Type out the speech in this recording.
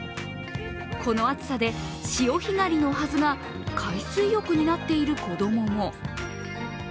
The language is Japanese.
この暑さで潮干狩りのはずが海水浴になっている子供も。